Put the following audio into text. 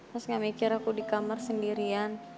terus gak mikir aku di kamar sendirian